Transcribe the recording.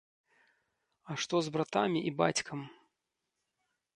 А што з братамі і бацькам?